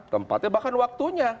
tempatnya bahkan waktunya